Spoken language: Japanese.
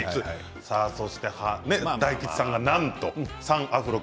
そして大吉さんがなんと３アフロ君。